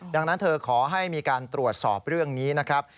ดังนั้นเธอขอให้มีการตรวจสอบเรื่องนี้นะครับ